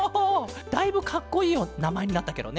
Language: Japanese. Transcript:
だいぶかっこいいなまえになったケロね。